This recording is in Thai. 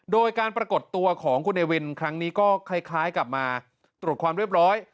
โดยการปรากฏตัวของคุณเนวินครั้งนี้ก็คล้ายกับมาตรวจความเรียบร้อย